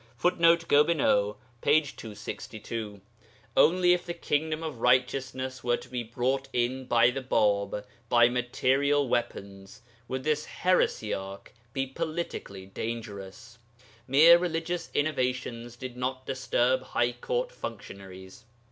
[Footnote: Gobineau, p. 262.] Only if the Kingdom of Righteousness were to be brought in by the Bāb by material weapons would this heresiarch be politically dangerous; mere religious innovations did not disturb high Court functionaries.